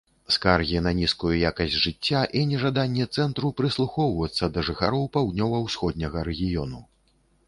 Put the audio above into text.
Скаргі на нізкую якасць жыцця і нежаданне цэнтру прыслухоўвацца да жыхароў паўднёва-усходняга рэгіёну.